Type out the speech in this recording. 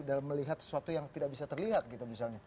dalam melihat sesuatu yang tidak bisa terlihat